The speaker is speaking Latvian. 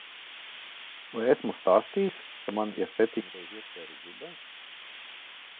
Vai esmu stāstījis, ka man ir septiņreiz iespēris zibens?